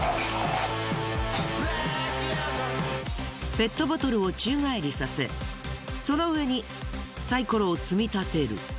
ペットボトルを宙返りさせその上にサイコロを積み立てる。